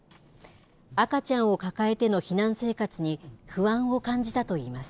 赤ちゃんを抱えての避難生活に、不安を感じたといいます。